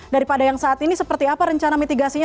daripada yang saat ini seperti apa rencana mitigasinya